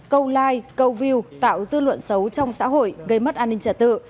câu like câu view tạo dư luận xấu trong xã hội gây mất an ninh trả tự